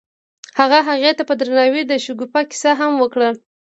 هغه هغې ته په درناوي د شګوفه کیسه هم وکړه.